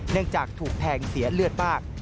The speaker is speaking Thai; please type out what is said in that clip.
เนื่องจากถูกแทงเสียเลือดมาก